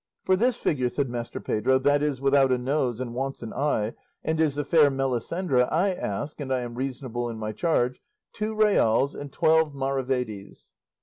"For this figure," said Master Pedro, "that is without a nose, and wants an eye, and is the fair Melisendra, I ask, and I am reasonable in my charge, two reals and twelve maravedis."